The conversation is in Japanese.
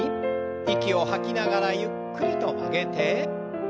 息を吐きながらゆっくりと曲げて。